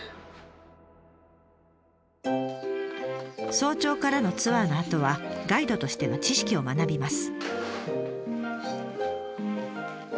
早朝からのツアーのあとはガイドとしての知識を学びます。